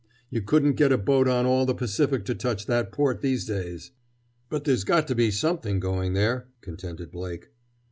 You couldn't get a boat on all the Pacific to touch that port these days!" "But there's got to be something going there!" contended Blake.